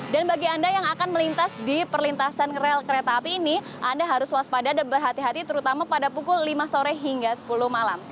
dan bagi anda yang akan melintas di perlintasan kereta api ini anda harus waspada dan berhati hati terutama pada pukul lima sore hingga sepuluh malam